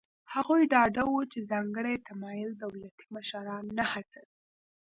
هغوی ډاډه وو چې ځانګړی تمایل دولتي مشران نه هڅوي.